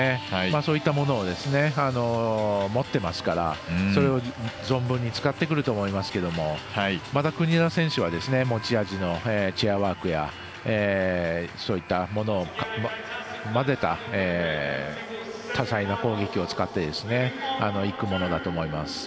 そういったものを持ってますからそれを存分に使ってくると思いますけれどもまた国枝選手は持ち味のチェアワークやそういったものを交ぜた多彩な攻撃を使っていくものだと思います。